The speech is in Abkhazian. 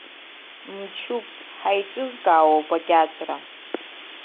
Мчуп, ҳаиҿызкаауоуп акьаҿра.